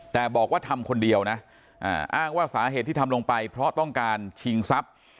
แต่บอกว่าทำคนเดียวนะอ้างว่าสาเหตุที่ทำลงไปเพราะต้องการชิงทรัพย์